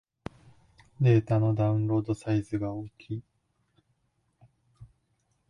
データのダウンロードサイズが大きい